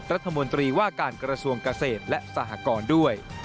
รัฐมนตรีว่าการกระทรวงเกษตรและสหกรด้วย